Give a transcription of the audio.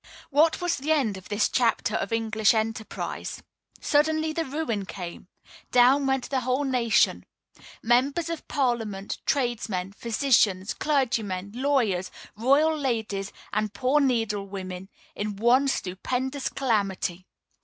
What was the end of this chapter of English enterprise? Suddenly the ruin came. Down went the whole nation members of Parliament, tradesmen, physicians, clergymen, lawyers, royal ladies, and poor needle women in one stupendous calamity.